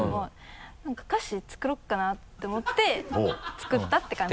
何か歌詞作ろうかなって思って作ったって感じです。